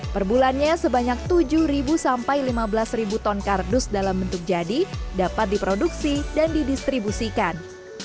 perbulannya sebanyak tujuh sampai lima belas ton kardus dalam bentuk jadi dapat diproduksi dan didistribusikan